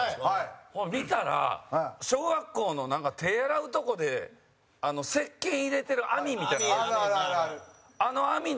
見たら、小学校の、手洗うとこで石けん入れてる網みたいなの。